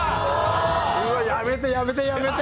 うわやめてやめてやめて！